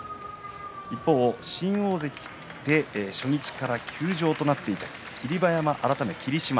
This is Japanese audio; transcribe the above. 一方、新大関で初日から休場となっていた霧馬山改め霧島。